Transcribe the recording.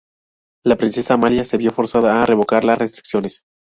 La princesa Amalia se vio forzada a revocar las restricciones.